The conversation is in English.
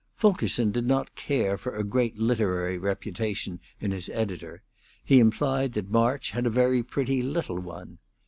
Fulkerson did not care for a great literary reputation in his editor he implied that March had a very pretty little one.